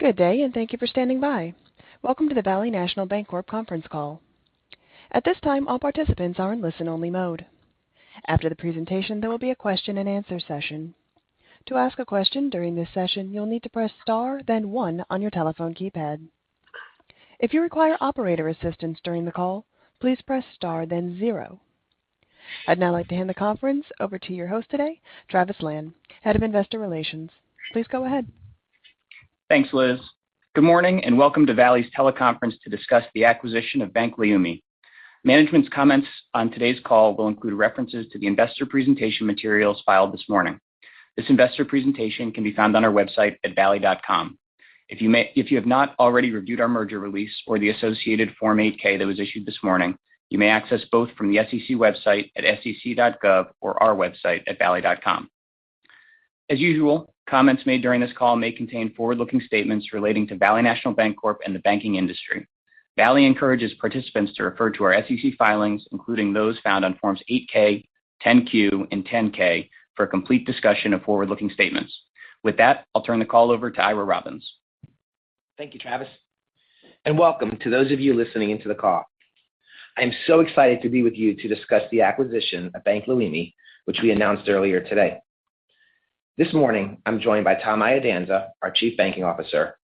Good day, and thank you for standing by. Welcome to the Valley National Bancorp conference call. I'd now like to hand the conference over to your host today, Travis Lan, Head of Investor Relations. Please go ahead. Thanks, Liz. Good morning and welcome to Valley's teleconference to discuss the acquisition of Bank Leumi. Management's comments on today's call will include references to the investor presentation materials filed this morning. This investor presentation can be found on our website at valley.com. If you have not already reviewed our merger release or the associated Form 8-K that was issued this morning, you may access both from the SEC website at sec.gov or our website at valley.com. As usual, comments made during this call may contain forward-looking statements relating to Valley National Bancorp and the banking industry. Valley encourages participants to refer to our SEC filings, including those found on Forms 8-K, 10-Q, and 10-K, for a complete discussion of forward-looking statements. With that, I'll turn the call over to Ira Robbins. Thank you, Travis. Welcome to those of you listening into the call. I'm so excited to be with you to discuss the acquisition of Bank Leumi, which we announced earlier today. This morning, I'm joined by Tom Iadanza, our Chief Banking Officer,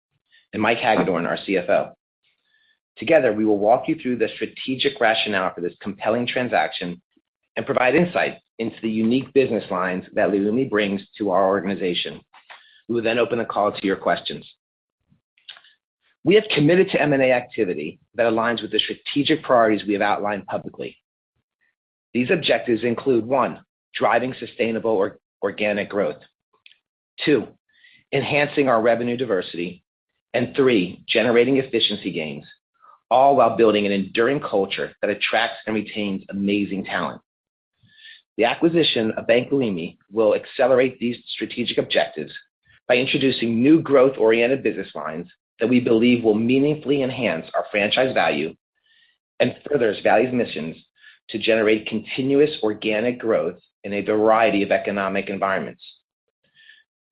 and Mike Hagedorn, our CFO. Together, we will walk you through the strategic rationale for this compelling transaction and provide insight into the unique business lines that Leumi brings to our organization. We will open the call to your questions. We have committed to M&A activity that aligns with the strategic priorities we have outlined publicly. These objectives include, one, driving sustainable organic growth, two, enhancing our revenue diversity, and three, generating efficiency gains, all while building an enduring culture that attracts and retains amazing talent. The acquisition of Bank Leumi will accelerate these strategic objectives by introducing new growth-oriented business lines that we believe will meaningfully enhance our franchise value and furthers Valley's missions to generate continuous organic growth in a variety of economic environments.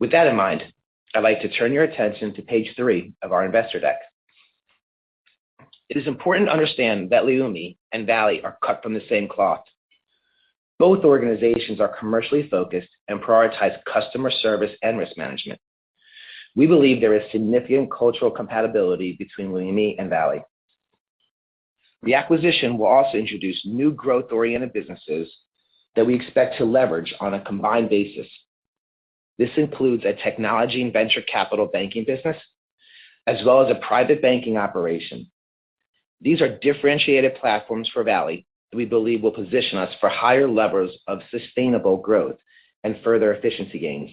With that in mind, I'd like to turn your attention to page three of our investor deck. It is important to understand that Leumi and Valley are cut from the same cloth. Both organizations are commercially focused and prioritize customer service and risk management. We believe there is significant cultural compatibility between Leumi and Valley. The acquisition will also introduce new growth-oriented businesses that we expect to leverage on a combined basis. This includes a technology and venture capital banking business, as well as a private banking operation. These are differentiated platforms for Valley that we believe will position us for higher levers of sustainable growth and further efficiency gains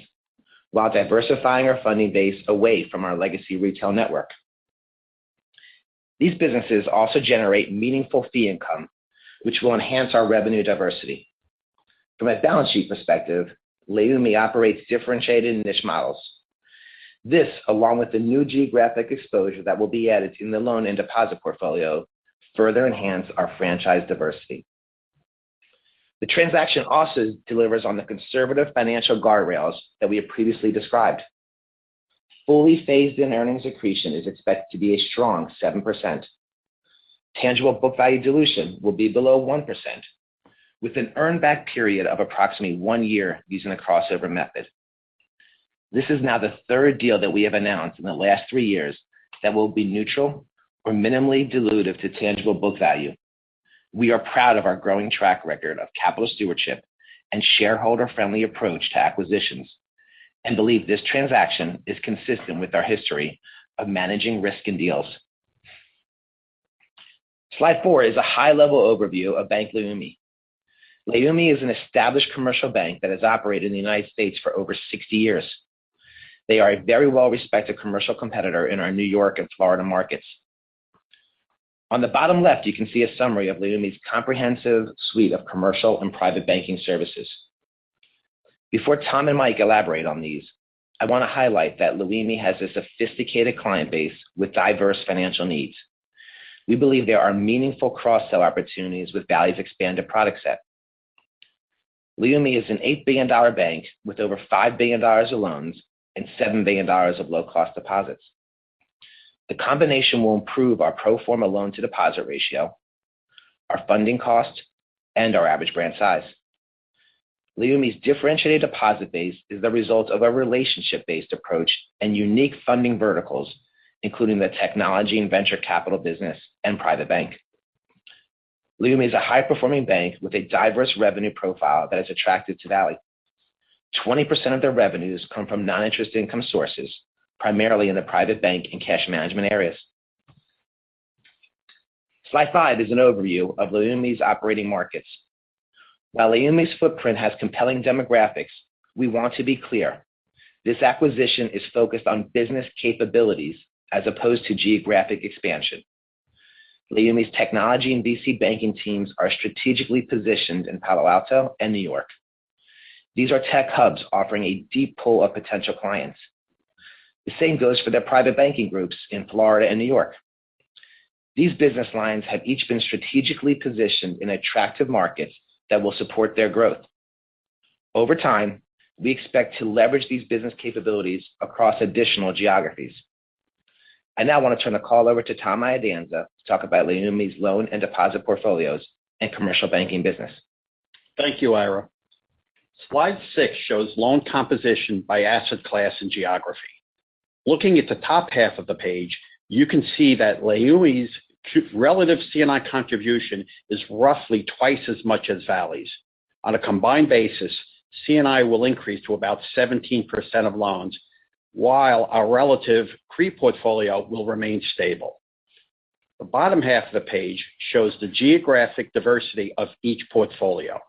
while diversifying our funding base away from our legacy retail network. These businesses also generate meaningful fee income, which will enhance our revenue diversity. From a balance sheet perspective, Leumi operates differentiated niche models. This, along with the new geographic exposure that will be added in the loan and deposit portfolio, further enhance our franchise diversity. The transaction also delivers on the conservative financial guardrails that we have previously described. Fully phased-in earnings accretion is expected to be a strong 7%. Tangible book value dilution will be below 1%, with an earn back period of approximately one year using the crossover method. This is now the third deal that we have announced in the last three years that will be neutral or minimally dilutive to tangible book value. We are proud of our growing track record of capital stewardship and shareholder-friendly approach to acquisitions and believe this transaction is consistent with our history of managing risk in deals. Slide four is a high-level overview of Bank Leumi. Leumi is an established commercial bank that has operated in the U.S. for over 60 years. They are a very well-respected commercial competitor in our New York and Florida markets. On the bottom left, you can see a summary of Leumi's comprehensive suite of commercial and private banking services. Before Tom and Mike elaborate on these, I want to highlight that Leumi has a sophisticated client base with diverse financial needs. We believe there are meaningful cross-sell opportunities with Valley's expanded product set. Leumi is an $8 billion bank with over $5 billion of loans and $7 billion of low-cost deposits. The combination will improve our pro forma loan-to-deposit ratio, our funding costs, and our average branch size. Leumi's differentiated deposit base is the result of a relationship-based approach and unique funding verticals, including the technology and venture capital business and private bank. Leumi is a high-performing bank with a diverse revenue profile that is attractive to Valley. 20% of their revenues come from non-interest income sources, primarily in the private bank and cash management areas. Slide 5 is an overview of Leumi's operating markets. While Leumi's footprint has compelling demographics, we want to be clear, this acquisition is focused on business capabilities as opposed to geographic expansion. Leumi's technology and VC banking teams are strategically positioned in Palo Alto and New York. These are tech hubs offering a deep pool of potential clients. The same goes for their private banking groups in Florida and New York. These business lines have each been strategically positioned in attractive markets that will support their growth. Over time, we expect to leverage these business capabilities across additional geographies. I now want to turn the call over to Tom Iadanza to talk about Leumi's loan and deposit portfolios and commercial banking business. Thank you, Ira. Slide 6 shows loan composition by asset class and geography. Looking at the top half of the page, you can see that Leumi's relative C&I contribution is roughly twice as much as Valley's. On a combined basis, C&I will increase to about 17% of loans, while our relative CRE portfolio will remain stable. The bottom half of the page shows the geographic diversity of each portfolio.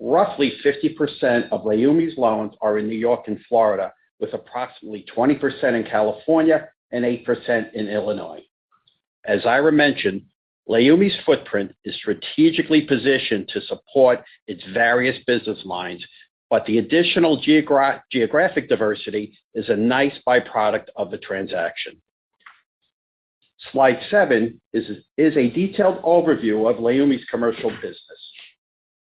Roughly 50% of Leumi's loans are in New York and Florida, with approximately 20% in California and 8% in Illinois. As Ira mentioned, Leumi's footprint is strategically positioned to support its various business lines, but the additional geographic diversity is a nice byproduct of the transaction. Slide seven is a detailed overview of Leumi's commercial business.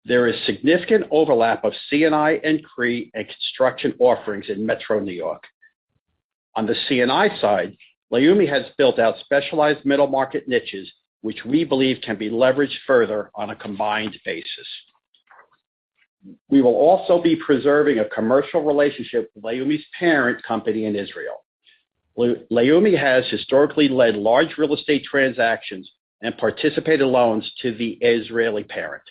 There is significant overlap of C&I and CRE and construction offerings in metro New York. On the C&I side, Leumi has built out specialized middle-market niches, which we believe can be leveraged further on a combined basis. We will also be preserving a commercial relationship with Leumi's parent company in Israel. Leumi has historically led large real estate transactions and participated loans to the Israeli parent.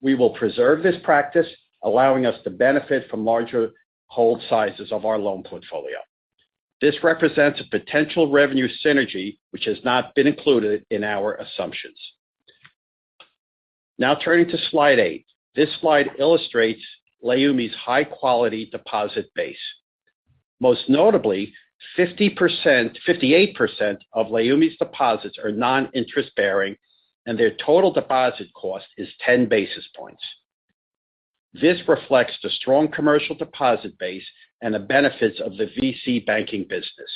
We will preserve this practice, allowing us to benefit from larger hold sizes of our loan portfolio. This represents a potential revenue synergy, which has not been included in our assumptions. Now turning to slide 8. This slide illustrates Leumi's high-quality deposit base. Most notably, 58% of Leumi's deposits are non-interest bearing, and their total deposit cost is 10 basis points. This reflects the strong commercial deposit base and the benefits of the VC banking business.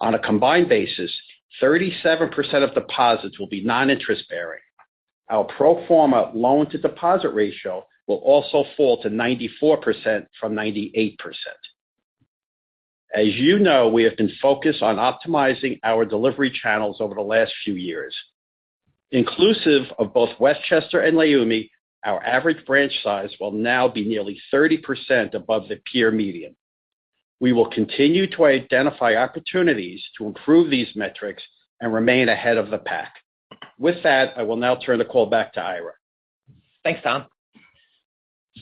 On a combined basis, 37% of deposits will be non-interest bearing. Our pro forma loan-to-deposit ratio will also fall to 94% from 98%. As you know, we have been focused on optimizing our delivery channels over the last few years. Inclusive of both Westchester and Leumi, our average branch size will now be nearly 30% above the peer median. We will continue to identify opportunities to improve these metrics and remain ahead of the pack. With that, I will now turn the call back to Ira Robbins. Thanks, Tom.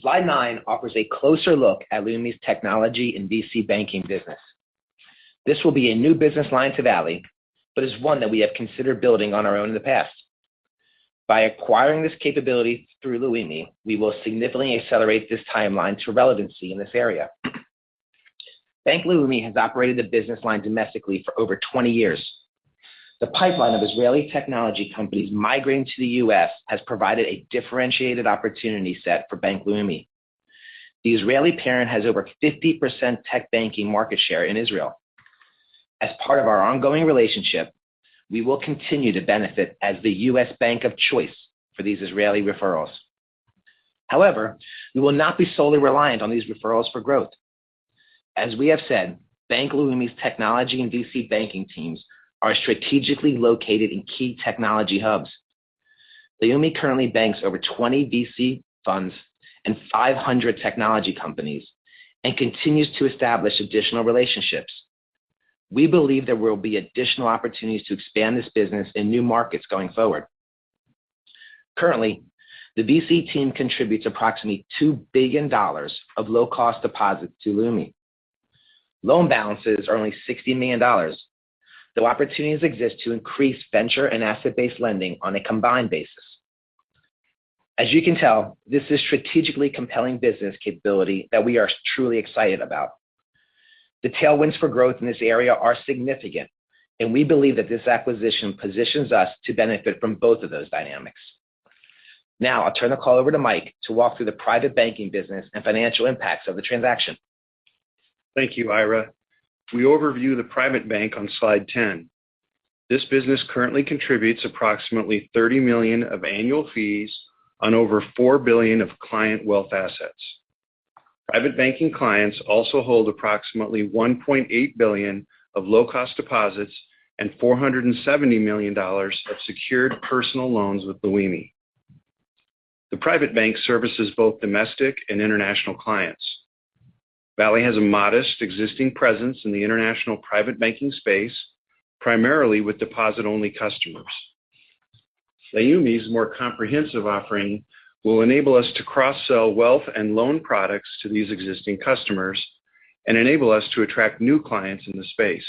Slide nine offers a closer look at Leumi's technology and VC banking business. This will be a new business line to Valley, but is one that we have considered building on our own in the past. By acquiring this capability through Leumi, we will significantly accelerate this timeline to relevancy in this area. Bank Leumi has operated the business line domestically for over 20 years. The pipeline of Israeli technology companies migrating to the U.S. has provided a differentiated opportunity set for Bank Leumi. The Israeli parent has over 50% tech banking market share in Israel. As part of our ongoing relationship, we will continue to benefit as the U.S. bank of choice for these Israeli referrals. However, we will not be solely reliant on these referrals for growth. As we have said, Bank Leumi's technology and VC banking teams are strategically located in key technology hubs. Leumi currently banks over 20 VC funds and 500 technology companies and continues to establish additional relationships. We believe there will be additional opportunities to expand this business in new markets going forward. Currently, the VC team contributes approximately $2 billion of low-cost deposits to Leumi. Loan balances are only $60 million. Opportunities exist to increase venture and asset-based lending on a combined basis. As you can tell, this is strategically compelling business capability that we are truly excited about. The tailwinds for growth in this area are significant. We believe that this acquisition positions us to benefit from both of those dynamics. Now, I'll turn the call over to Mike to walk through the private banking business and financial impacts of the transaction. Thank you, Ira. We overview the private bank on slide 10. This business currently contributes approximately $30 million of annual fees on over $4 billion of client wealth assets. Private banking clients also hold approximately $1.8 billion of low-cost deposits and $470 million of secured personal loans with Leumi. The private bank services both domestic and international clients. Valley has a modest existing presence in the international private banking space, primarily with deposit-only customers. Leumi's more comprehensive offering will enable us to cross-sell wealth and loan products to these existing customers and enable us to attract new clients in the space.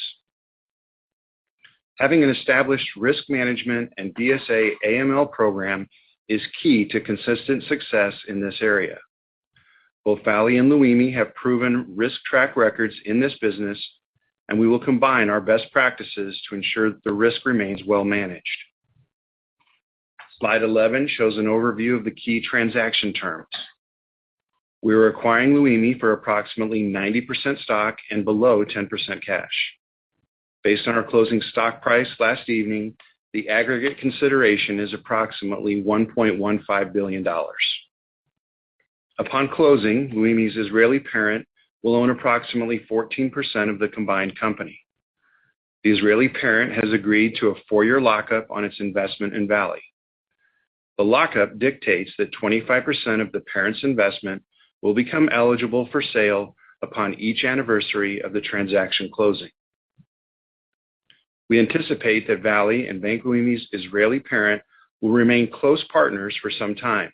Having an established risk management and BSA/AML program is key to consistent success in this area. Both Valley and Leumi have proven risk track records in this business, and we will combine our best practices to ensure the risk remains well managed. Slide 11 shows an overview of the key transaction terms. We're acquiring Leumi for approximately 90% stock and below 10% cash. Based on our closing stock price last evening, the aggregate consideration is approximately $1.15 billion. Upon closing, Leumi's Israeli parent will own approximately 14% of the combined company. The Israeli parent has agreed to a four-year lockup on its investment in Valley. The lockup dictates that 25% of the parent's investment will become eligible for sale upon each anniversary of the transaction closing. We anticipate that Valley and Bank Leumi's Israeli parent will remain close partners for some time.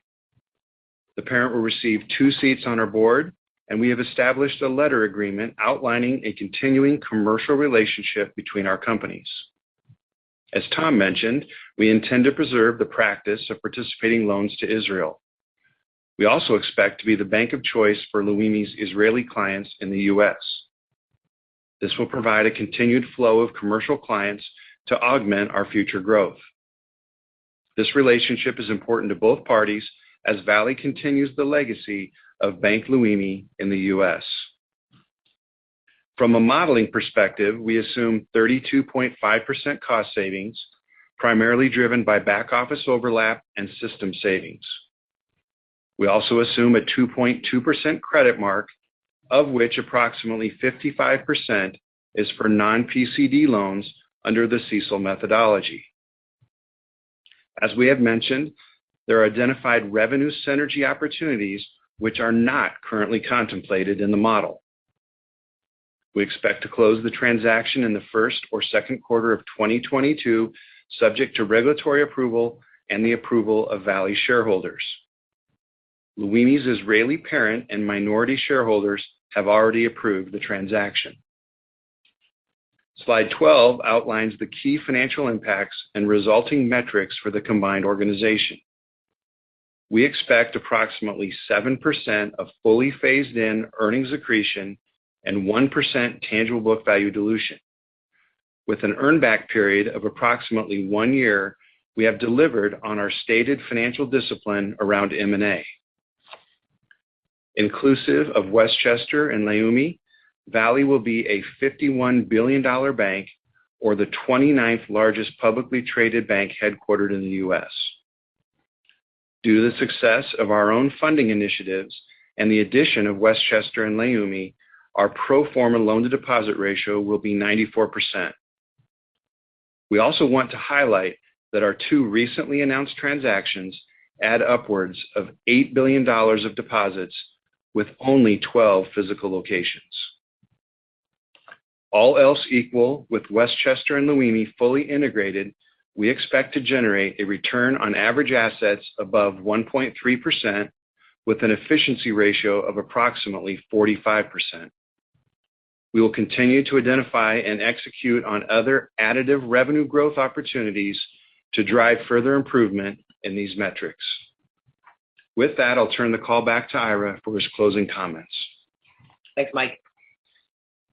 The parent will receive two seats on our board, and we have established a letter agreement outlining a continuing commercial relationship between our companies. As Tom mentioned, we intend to preserve the practice of participating loans to Israel. We also expect to be the bank of choice for Leumi's Israeli clients in the U.S. This will provide a continued flow of commercial clients to augment our future growth. This relationship is important to both parties as Valley continues the legacy of Bank Leumi in the U.S. From a modeling perspective, we assume 32.5% cost savings, primarily driven by back office overlap and system savings. We also assume a 2.2% credit mark, of which approximately 55% is for non-PCD loans under the CECL methodology. As we have mentioned, there are identified revenue synergy opportunities which are not currently contemplated in the model. We expect to close the transaction in the first or second quarter of 2022, subject to regulatory approval and the approval of Valley shareholders. Leumi's Israeli parent and minority shareholders have already approved the transaction. Slide 12 outlines the key financial impacts and resulting metrics for the combined organization. We expect approximately 7% of fully phased-in earnings accretion and 1% tangible book value dilution. With an earn back period of approximately one year, we have delivered on our stated financial discipline around M&A. Inclusive of Westchester and Leumi, Valley will be a $51 billion bank, or the 29th largest publicly traded bank headquartered in the U.S. Due to the success of our own funding initiatives and the addition of Westchester and Leumi, our pro forma loan to deposit ratio will be 94%. We also want to highlight that our two recently announced transactions add upwards of $8 billion of deposits with only 12 physical locations. All else equal, with Westchester and Leumi fully integrated, we expect to generate a return on average assets above 1.3%, with an efficiency ratio of approximately 45%. We will continue to identify and execute on other additive revenue growth opportunities to drive further improvement in these metrics. With that, I'll turn the call back to Ira for his closing comments. Thanks, Mike.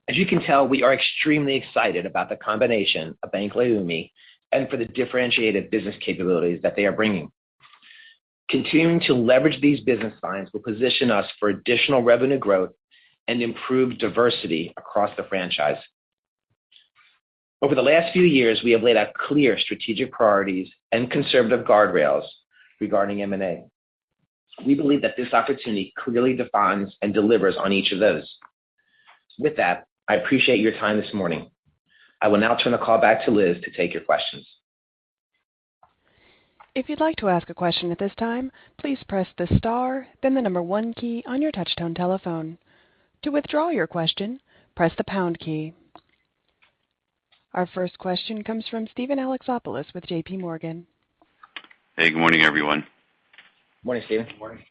As you can tell, we are extremely excited about the combination of Bank Leumi and for the differentiated business capabilities that they are bringing. Continuing to leverage these business lines will position us for additional revenue growth and improved diversity across the franchise. Over the last few years, we have laid out clear strategic priorities and conservative guardrails regarding M&A. We believe that this opportunity clearly defines and delivers on each of those. With that, I appreciate your time this morning. I will now turn the call back to Liz to take your questions. Our first question comes from Steven Alexopoulos with JPMorgan. Hey, good morning, everyone. Morning, Steven. Morning.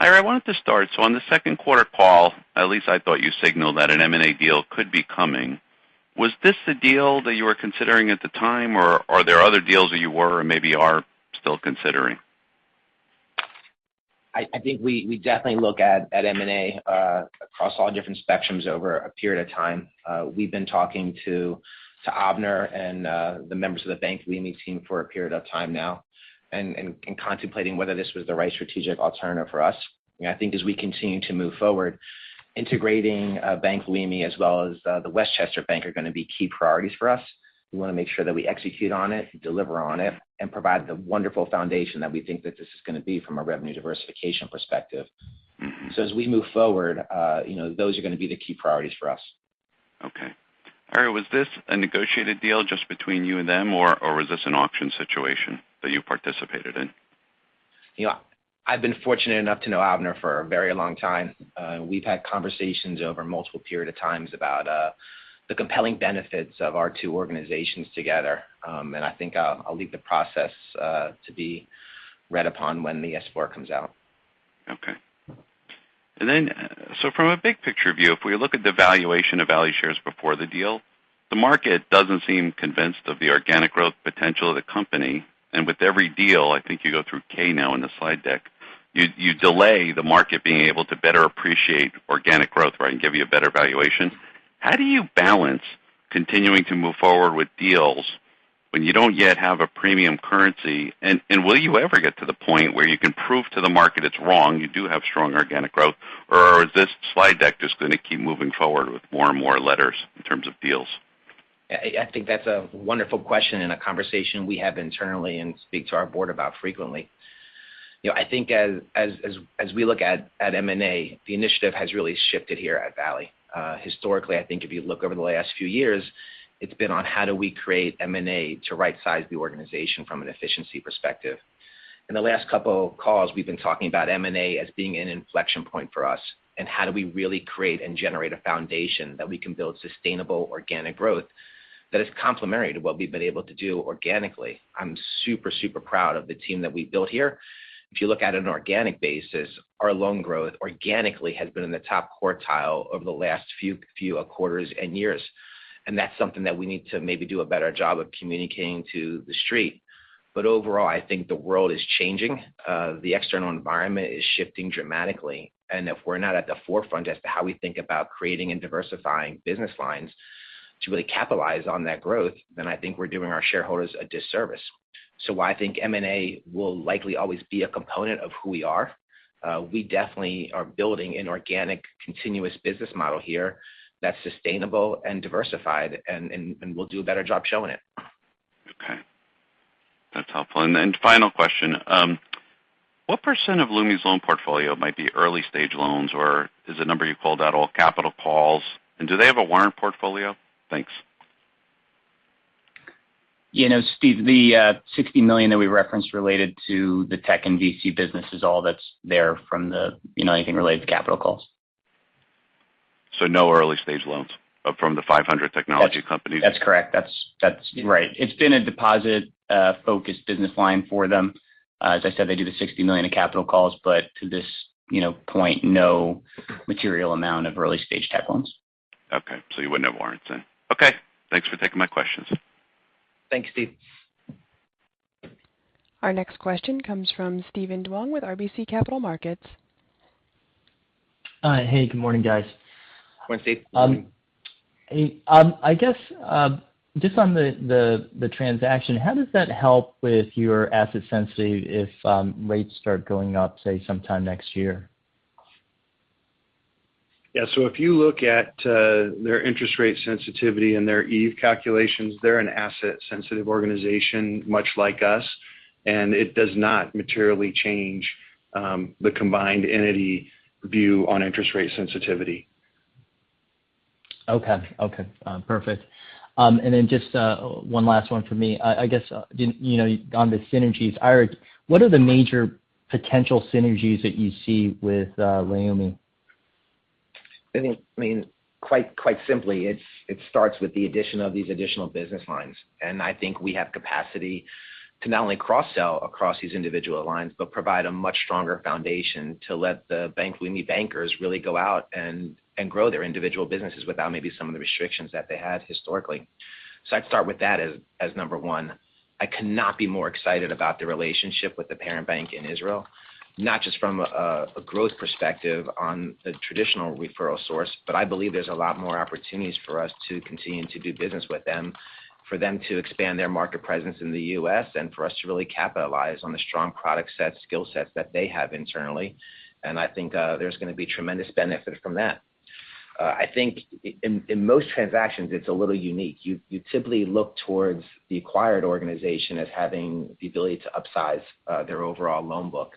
Ira, I wanted to start. On the second quarter call, at least I thought you signaled that an M&A deal could be coming. Was this the deal that you were considering at the time, or are there other deals that you were or maybe are still considering? I think we definitely look at M&A across all different spectrums over a period of time. We've been talking to Avner and the members of the Bank Leumi team for a period of time now and contemplating whether this was the right strategic alternative for us. I think as we continue to move forward, integrating Bank Leumi as well as the Westchester Bank are going to be key priorities for us. We want to make sure that we execute on it, deliver on it, and provide the wonderful foundation that we think that this is going to be from a revenue diversification perspective. As we move forward, those are going to be the key priorities for us. Okay. Ira, was this a negotiated deal just between you and them, or was this an auction situation that you participated in? I've been fortunate enough to know Avner for a very long time. We've had conversations over multiple period of times about the compelling benefits of our two organizations together. I think I'll leave the process to be read upon when the S4 comes out. From a big picture view, if we look at the valuation of Valley shares before the deal, the market doesn't seem convinced of the organic growth potential of the company. With every deal, I think you go through K now in the slide deck, you delay the market being able to better appreciate organic growth, right, and give you a better valuation. How do you balance continuing to move forward with deals when you don't yet have a premium currency? Will you ever get to the point where you can prove to the market it's wrong, you do have strong organic growth, or is this slide deck just going to keep moving forward with more and more letters in terms of deals? I think that's a wonderful question and a conversation we have internally and speak to our board about frequently. I think as we look at M&A, the initiative has really shifted here at Valley. Historically, I think if you look over the last few years, it's been on how do we create M&A to right size the organization from an efficiency perspective. In the last couple of calls, we've been talking about M&A as being an inflection point for us, and how do we really create and generate a foundation that we can build sustainable organic growth that is complementary to what we've been able to do organically. I'm super proud of the team that we've built here. If you look at an organic basis, our loan growth organically has been in the top quartile over the last few quarters and years. That's something that we need to maybe do a better job of communicating to the street. Overall, I think the world is changing. The external environment is shifting dramatically. If we're not at the forefront as to how we think about creating and diversifying business lines to really capitalize on that growth, then I think we're doing our shareholders a disservice. While I think M&A will likely always be a component of who we are, we definitely are building an organic, continuous business model here that's sustainable and diversified, and we'll do a better job showing it. Okay. That's helpful. Final question. What % of Leumi's loan portfolio might be early-stage loans, or is the number you called out all capital calls? Do they have a warrant portfolio? Thanks. Steve, the $60 million that we referenced related to the tech and VC business is all that's there from anything related to capital calls. No early-stage loans from the 500 technology companies? That's correct. That's right. It's been a deposit-focused business line for them. As I said, they do the $60 million of capital calls, but to this point, no material amount of early-stage tech loans. Okay. You wouldn't have warrants then. Okay, thanks for taking my questions. Thanks, Steve. Our next question comes from Steven Duong with RBC Capital Markets. Hi. Good morning, guys. Morning, Steve. Hey. I guess just on the transaction, how does that help with your asset sensitive if rates start going up, say, sometime next year? Yeah. If you look at their interest rate sensitivity and their EVE calculations, they're an asset sensitive organization much like us, and it does not materially change the combined entity view on interest rate sensitivity. Okay. Perfect. Just one last one for me. I guess on the synergies, Ira, what are the major potential synergies that you see with Leumi? I think quite simply, it starts with the addition of these additional business lines. I think we have capacity to not only cross-sell across these individual lines, but provide a much stronger foundation to let the Bank Leumi bankers really go out and grow their individual businesses without maybe some of the restrictions that they had historically. I'd start with that as number 1. I could not be more excited about the relationship with the parent bank in Israel, not just from a growth perspective on the traditional referral source, I believe there's a lot more opportunities for us to continue to do business with them, for them to expand their market presence in the U.S., and for us to really capitalize on the strong product set skill sets that they have internally. I think there's going to be tremendous benefit from that. I think in most transactions, it's a little unique. You typically look towards the acquired organization as having the ability to upsize their overall loan book.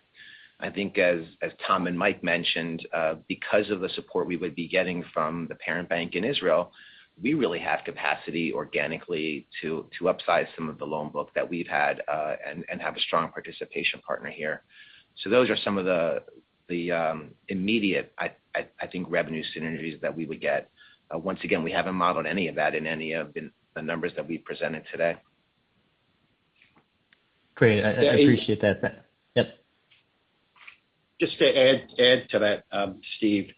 I think as Tom and Mike mentioned, because of the support we would be getting from the parent bank in Israel, we really have capacity organically to upsize some of the loan book that we've had and have a strong participation partner here. Those are some of the immediate, I think, revenue synergies that we would get. Once again, we haven't modeled any of that in any of the numbers that we've presented today. Great. I appreciate that. Yep. Just to add to that, Steve.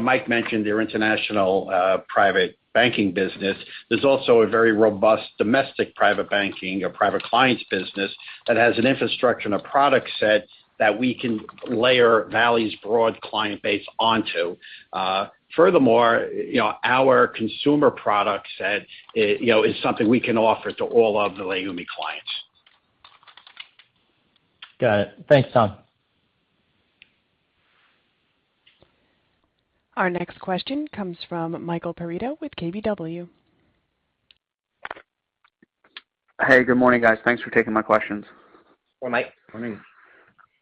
Mike mentioned their international private banking business. There's also a very robust domestic private banking or private clients business that has an infrastructure and a product set that we can layer Valley's broad client base onto. Furthermore, our consumer product set is something we can offer to all of the Leumi clients. Got it. Thanks, Tom. Our next question comes from Michael Perito with KBW. Hey, good morning, guys. Thanks for taking my questions. Morning, Mike. Morning.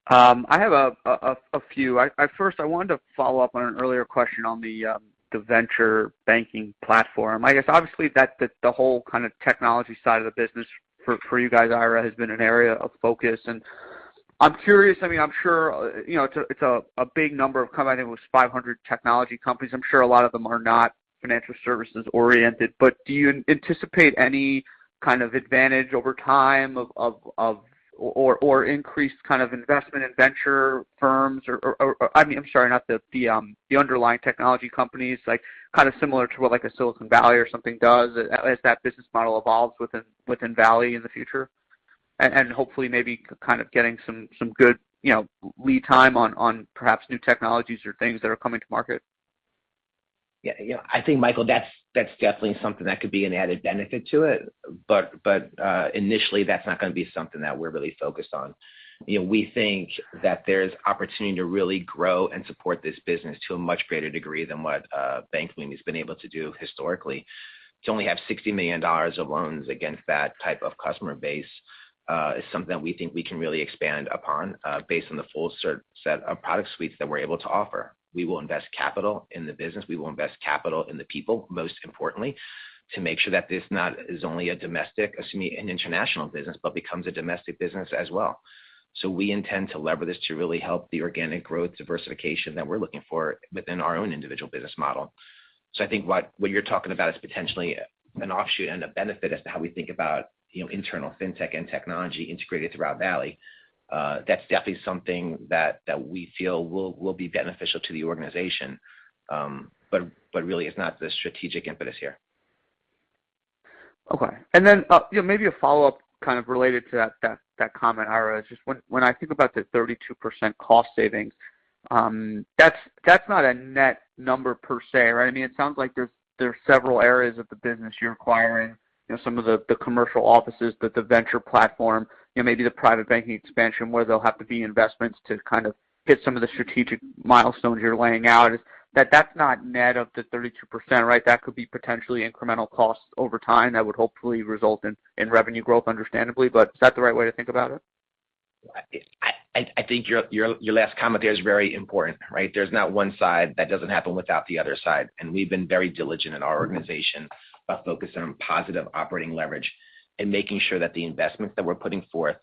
I have a few. First, I wanted to follow up on an earlier question on the venture banking platform. I guess obviously the whole kind of technology side of the business for you guys, Ira, has been an area of focus. I'm curious, I'm sure it's a big number of combining with 500 technology companies. I'm sure a lot of them are not financial services oriented, but do you anticipate any kind of advantage over time or increased kind of investment in venture firms, not the underlying technology companies, like kind of similar to what like a Silicon Valley or something does as that business model evolves within Valley in the future? Hopefully maybe kind of getting some good lead time on perhaps new technologies or things that are coming to market. Yeah. I think, Michael, that's definitely something that could be an added benefit to it. Initially, that's not going to be something that we're really focused on. We think that there's opportunity to really grow and support this business to a much greater degree than what Bank Leumi has been able to do historically. To only have $60 million of loans against that type of customer base is something that we think we can really expand upon based on the full set of product suites that we're able to offer. We will invest capital in the business. We will invest capital in the people, most importantly, to make sure that this not is only a domestic, excuse me, an international business, but becomes a domestic business as well. We intend to lever this to really help the organic growth diversification that we're looking for within our own individual business model. I think what you're talking about is potentially an offshoot and a benefit as to how we think about internal fintech and technology integrated throughout Valley. That's definitely something that we feel will be beneficial to the organization. Really, it's not the strategic impetus here. Okay. Maybe a follow-up kind of related to that comment, Ira. When I think about the 32% cost savings, that's not a net number per se, right? It sounds like there's several areas of the business you're acquiring. Some of the commercial offices, the venture platform, maybe the private banking expansion, where there'll have to be investments to kind of hit some of the strategic milestones you're laying out. That that's not net of the 32%, right? That could be potentially incremental costs over time that would hopefully result in revenue growth, understandably. Is that the right way to think about it? I think your last comment there is very important, right? There's not one side. That doesn't happen without the other side. We've been very diligent in our organization about focusing on positive operating leverage and making sure that the investments that we're putting forth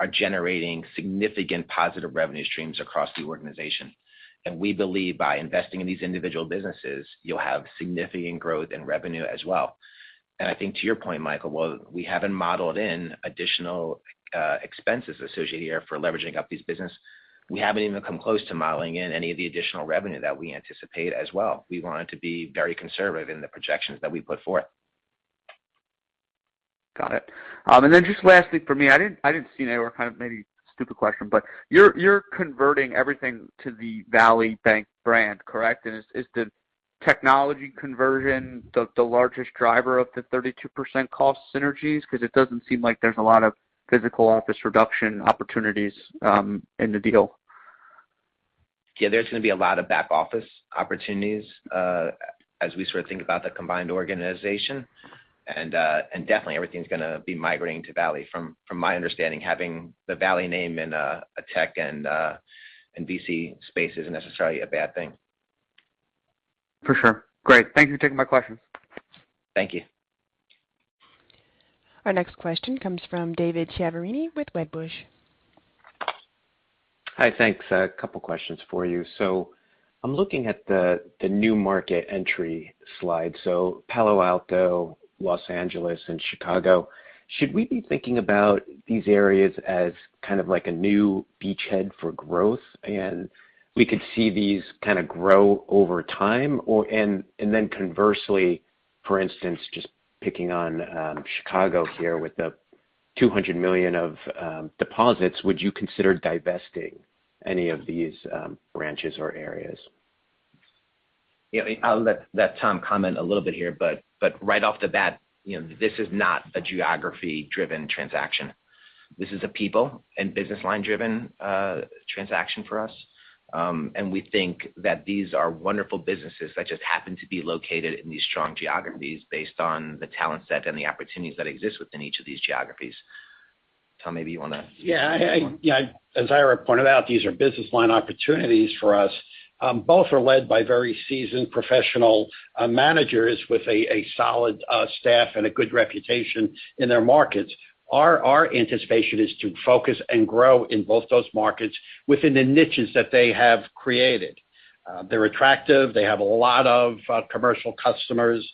are generating significant positive revenue streams across the organization. We believe by investing in these individual businesses, you'll have significant growth in revenue as well. I think to your point, Michael, while we haven't modeled in additional expenses associated here for leveraging up these business, we haven't even come close to modeling in any of the additional revenue that we anticipate as well. We wanted to be very conservative in the projections that we put forth. Got it. Just lastly from me, I didn't see any, or kind of maybe stupid question, you're converting everything to the Valley Bank brand, correct? Is the technology conversion the largest driver of the 32% cost synergies? It doesn't seem like there's a lot of physical office reduction opportunities in the deal. Yeah, there's going to be a lot of back office opportunities as we sort of think about the combined organization. Definitely everything's going to be migrating to Valley. From my understanding, having the Valley name in a tech and VC space isn't necessarily a bad thing. For sure. Great. Thank you for taking my questions. Thank you. Our next question comes from David Chiaverini with Wedbush. Hi, thanks. A couple questions for you. I'm looking at the new market entry slide. Palo Alto, Los Angeles, and Chicago. Should we be thinking about these areas as kind of like a new beachhead for growth, and we could see these kind of grow over time? Conversely, for instance, just picking on Chicago here with the $200 million of deposits, would you consider divesting any of these branches or areas? I'll let Tom comment a little bit here, but right off the bat, this is not a geography-driven transaction. This is a people and business line-driven transaction for us. We think that these are wonderful businesses that just happen to be located in these strong geographies based on the talent set and the opportunities that exist within each of these geographies. Yeah. As Ira pointed out, these are business line opportunities for us. Both are led by very seasoned professional managers with a solid staff and a good reputation in their markets. Our anticipation is to focus and grow in both those markets within the niches that they have created. They're attractive. They have a lot of commercial customers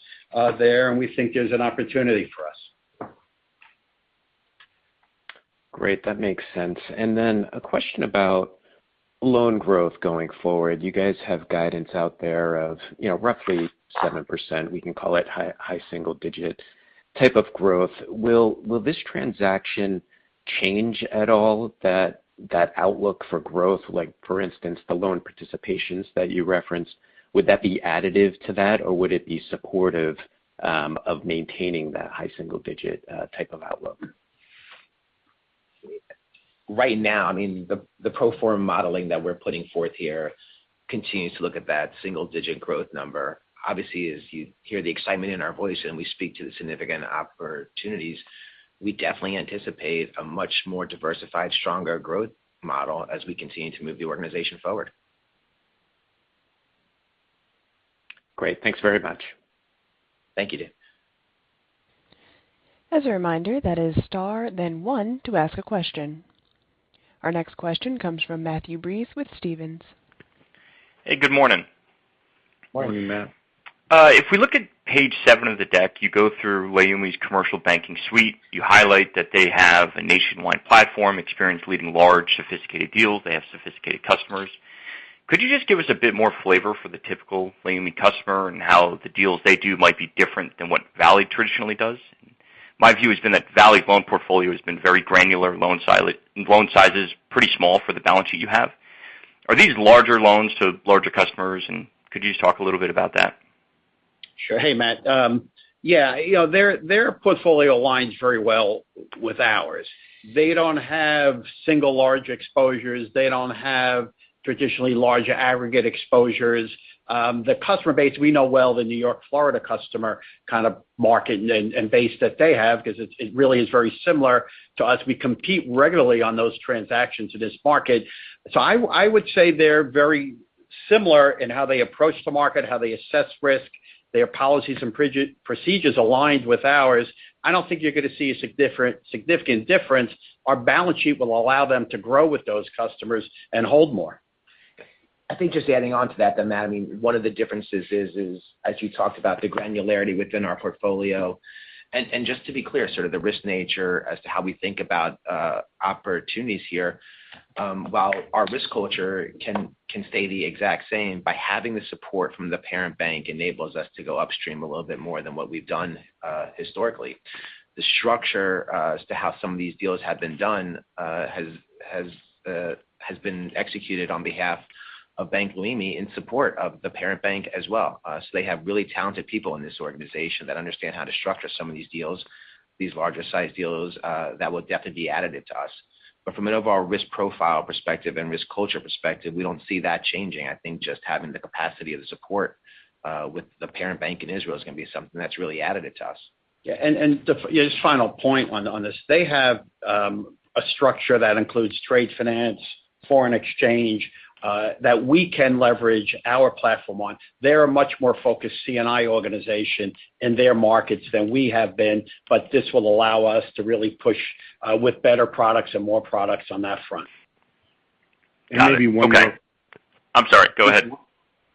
there, and we think there's an opportunity for us. Great. That makes sense. Then a question about loan growth going forward. You guys have guidance out there of roughly 7%. We can call it high single digit type of growth. Will this transaction change at all that outlook for growth? Like for instance, the loan participations that you referenced, would that be additive to that, or would it be supportive of maintaining that high single digit type of outlook? Right now, the pro forma modeling that we're putting forth here continues to look at that single-digit growth number. Obviously, as you hear the excitement in our voice and we speak to the significant opportunities, we definitely anticipate a much more diversified, stronger growth model as we continue to move the organization forward. Great. Thanks very much. Thank you, Dave. As a reminder, that is star then one to ask a question. Our next question comes from Matthew Breese with Stephens. Hey, good morning. Morning. Morning, Matt. If we look at page seven of the deck, you go through Leumi's commercial banking suite. You highlight that they have a nationwide platform, experience leading large sophisticated deals. They have sophisticated customers. Could you just give us a bit more flavor for the typical Leumi customer and how the deals they do might be different than what Valley traditionally does? My view has been that Valley's loan portfolio has been very granular, loan sizes pretty small for the balance sheet you have. Are these larger loans to larger customers, and could you just talk a little bit about that? Sure. Hey, Matthew. Yeah. Their portfolio aligns very well with ours. They don't have single large exposures. They don't have traditionally large aggregate exposures. The customer base, we know well the New York-Florida customer kind of market and base that they have, because it really is very similar to us. We compete regularly on those transactions in this market. I would say they're very similar in how they approach the market, how they assess risk. Their policies and procedures aligned with ours. I don't think you're going to see a significant difference. Our balance sheet will allow them to grow with those customers and hold more. I think just adding on to that, Matthew Breese, one of the differences is, as you talked about, the granularity within our portfolio. Just to be clear, sort of the risk nature as to how we think about opportunities here. While our risk culture can stay the exact same, by having the support from the parent bank enables us to go upstream a little bit more than what we've done historically. The structure as to how some of these deals have been done has been executed on behalf of Bank Leumi USA in support of the parent bank as well. They have really talented people in this organization that understand how to structure some of these deals, these larger-sized deals, that will definitely be additive to us. From an overall risk profile perspective and risk culture perspective, we don't see that changing. I think just having the capacity of the support with the parent bank in Israel is going to be something that's really additive to us. Yeah. Just final point on this. They have a structure that includes trade finance, foreign exchange, that we can leverage our platform on. They're a much more focused C&I organization in their markets than we have been, but this will allow us to really push with better products and more products on that front. Got it. Okay. And maybe one more- I'm sorry, go ahead.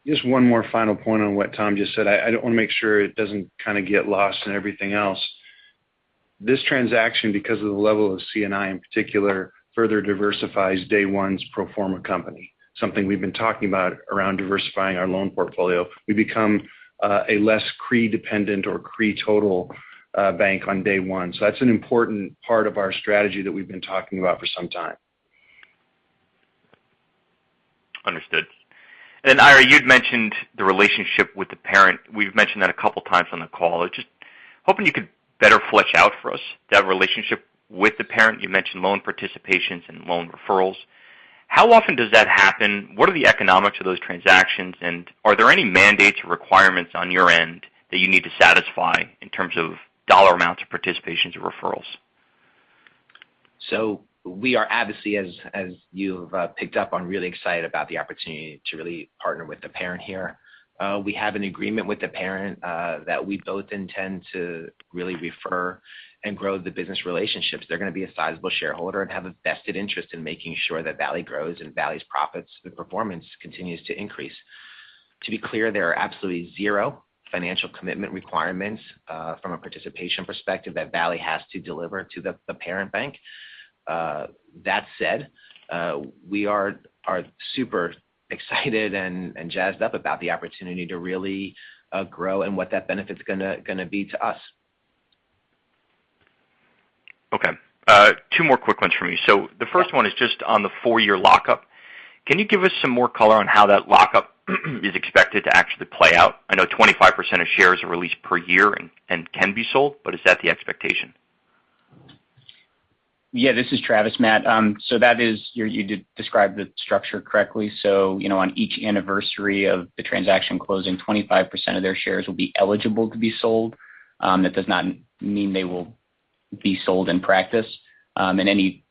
Just one more final point on what Tom just said. I want to make sure it doesn't kind of get lost in everything else. This transaction, because of the level of C&I in particular, further diversifies day one's pro forma company. Something we've been talking about around diversifying our loan portfolio. We become a less CRE-dependent or CRE-total bank on day one. That's an important part of our strategy that we've been talking about for some time. Understood. Then Ira, you'd mentioned the relationship with the parent. We've mentioned that 2 times on the call. Just hoping you could better flesh out for us that relationship with the parent. You mentioned loan participations and loan referrals. How often does that happen? What are the economics of those transactions? Are there any mandates or requirements on your end that you need to satisfy in terms of dollar amounts of participations or referrals? We are obviously, as you've picked up on, really excited about the opportunity to really partner with the parent here. We have an agreement with the parent that we both intend to really refer and grow the business relationships. They're going to be a sizable shareholder and have a vested interest in making sure that Valley grows and Valley's profits, the performance continues to increase. To be clear, there are absolutely 0 financial commitment requirements from a participation perspective that Valley has to deliver to the parent bank. That said, we are super excited and jazzed up about the opportunity to really grow and what that benefit's going to be to us. Okay. Two more quick ones from me. The first one is just on the four-year lockup. Can you give us some more color on how that lockup is expected to actually play out? I know 25% of shares are released per year and can be sold, but is that the expectation? Yeah, this is Travis, Matt. You described the structure correctly. On each anniversary of the transaction closing, 25% of their shares will be eligible to be sold. That does not mean they will be sold in practice. Any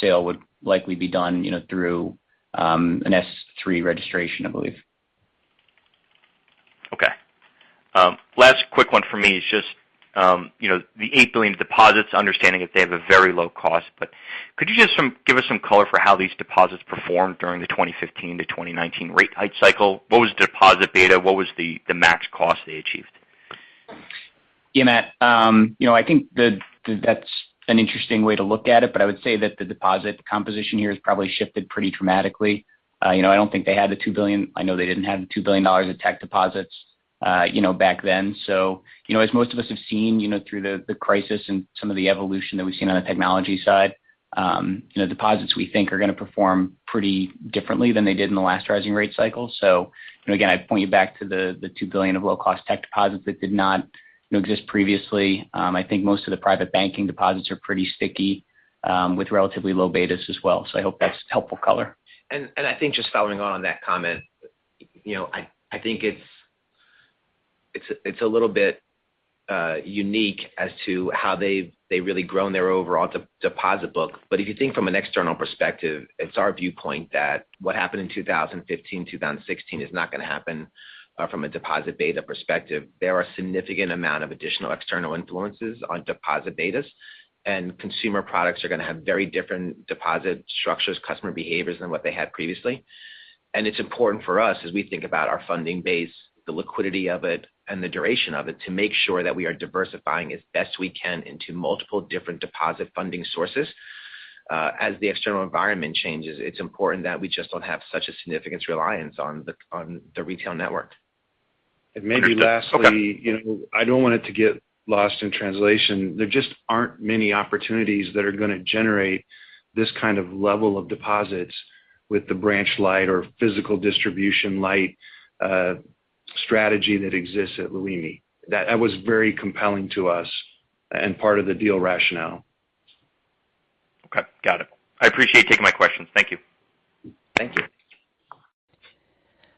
sale would likely be done through an S-3 registration, I believe. Okay. Last quick one for me is just the $8 billion deposits, understanding that they have a very low cost, but could you just give us some color for how these deposits performed during the 2015 to 2019 rate hike cycle? What was the deposit beta? What was the max cost they achieved? Yeah, Matthew. I think that's an interesting way to look at it, I would say that the deposit composition here has probably shifted pretty dramatically. I know they didn't have the $2 billion of tech deposits back then. As most of us have seen through the crisis and some of the evolution that we've seen on the technology side, deposits we think are going to perform pretty differently than they did in the last rising rate cycle. Again, I'd point you back to the $2 billion of low-cost tech deposits that did not exist previously. I think most of the private banking deposits are pretty sticky with relatively low betas as well. I hope that's helpful color. I think just following on that comment, I think it's a little bit unique as to how they've really grown their overall deposit book. If you think from an external perspective, it's our viewpoint that what happened in 2015, 2016 is not going to happen from a deposit beta perspective. There are significant amount of additional external influences on deposit betas, consumer products are going to have very different deposit structures, customer behaviors than what they had previously. It's important for us as we think about our funding base, the liquidity of it, and the duration of it, to make sure that we are diversifying as best we can into multiple different deposit funding sources. As the external environment changes, it's important that we just don't have such a significant reliance on the retail network. Maybe lastly. Okay I don't want it to get lost in translation. There just aren't many opportunities that are going to generate this kind of level of deposits with the branch-light or physical distribution-light strategy that exists at Leumi. That was very compelling to us and part of the deal rationale. Okay. Got it. I appreciate you taking my questions. Thank you. Thank you.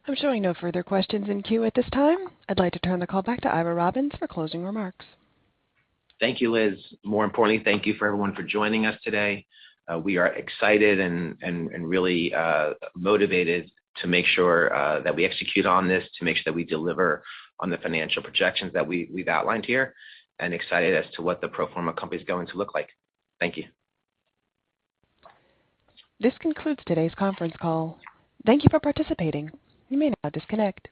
I'm showing no further questions in queue at this time. I'd like to turn the call back to Ira Robbins for closing remarks. Thank you, Liz. More importantly, thank you for everyone for joining us today. We are excited and really motivated to make sure that we execute on this, to make sure that we deliver on the financial projections that we've outlined here, and excited as to what the pro forma company's going to look like. Thank you. This concludes today's conference call. Thank you for participating. You may now disconnect.